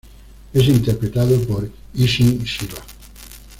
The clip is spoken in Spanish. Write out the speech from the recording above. Es interpretado por Isshin Chiba.